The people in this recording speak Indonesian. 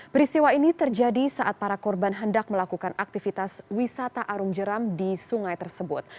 peristiwa ini terjadi saat para korban hendak melakukan aktivitas wisata arung jeram di sungai tersebut